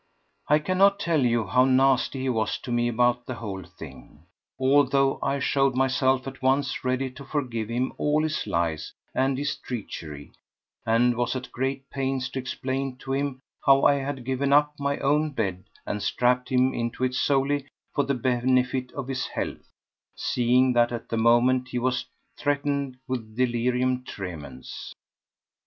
I cannot tell you how nasty he was to me about the whole thing, although I showed myself at once ready to forgive him all his lies and his treachery, and was at great pains to explain to him how I had given up my own bed and strapped him into it solely for the benefit of his health, seeing that at the moment he was threatened with delirium tremens.